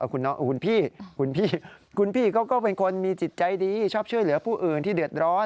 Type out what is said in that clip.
คุณพี่ก็เป็นคนมีจิตใจดีชอบเชื่อเหลือผู้อื่นที่เดือดร้อน